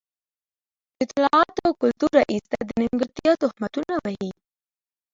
د اطلاعاتو او کلتور رئيس ته د نیمګړتيا تهمتونه وهي.